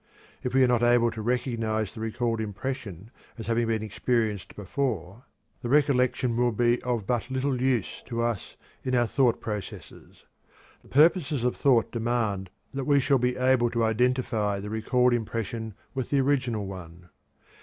If we are not able to recognize the recalled impression as having been experienced before, the recollection will be of but little use to us in our thought processes; the purposes of thought demand that we shall be able to identify the recalled impression with the original one.